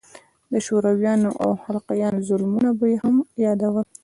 د شورويانو او خلقيانو ظلمونه به يې هم يادول.